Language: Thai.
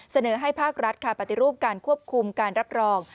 เสนอให้ภาครัฐค่ะปฏิรูปการควบคุมการรับรอง